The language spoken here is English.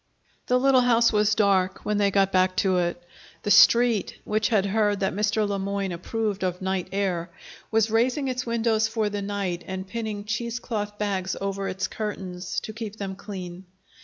The little house was dark when they got back to it. The Street, which had heard that Mr. Le Moyne approved of night air, was raising its windows for the night and pinning cheesecloth bags over its curtains to keep them clean.